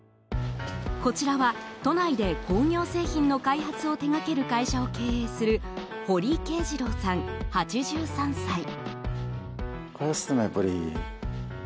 こちらは、都内で工業製品の開発を手掛ける会社を経営する堀啓次郎さん、８３歳。